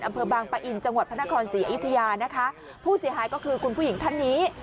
อำเภอบางปะอินจังหวัดพระนครศรีอยุธยานะคะผู้เสียหายก็คือคุณผู้หญิงท่านนี้